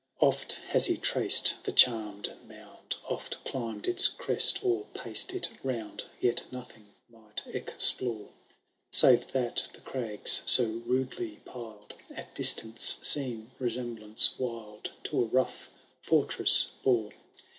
IV. Oft has he traced the charmed mound. Oft climb'd its crest, or paced it round. Yet nothing might explore, Saye that the crags so rudely piled. At distance seen, resemblance wild To a rough fortress bore.